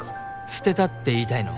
捨てたって言いたいの？